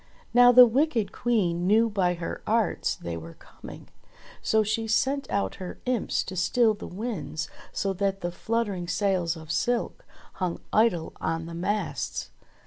Now the wicked Queen knew by her arts they were coming, so she sent out her imps to still the winds so that the fluttering sails of silk hung idle on the masts.